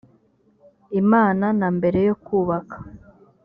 imana na mbere yo kubaka